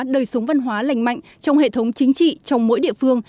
đời sống văn hóa lành mạnh trong hệ thống chính trị trong mỗi địa phương